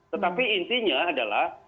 tetapi intinya adalah